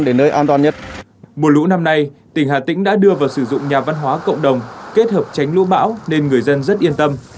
một lũ năm nay tỉnh hà tĩnh đã đưa vào sử dụng nhà văn hóa cộng đồng kết hợp tránh lũ bão nên người dân rất yên tâm